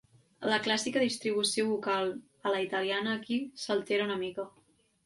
La clàssica distribució vocal a la italiana aquí s'altera una mica.